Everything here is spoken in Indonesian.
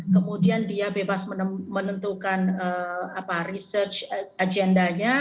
kemudian dia bebas menentukan research agendanya